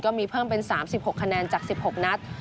เพิ่มเป็น๓๖คะแนนจาก๑๖นัด